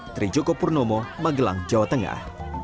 dari joko purnomo magelang jawa tengah